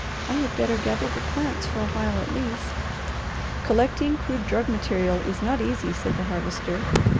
"I had better gather the plants for a while at least." "Collecting crude drug material is not easy," said the Harvester.